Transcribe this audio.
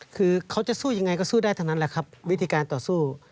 คือเขาจะสู้ยังไงก็สู้ได้เท่านั้นแหละครับวิธีการต่อสู้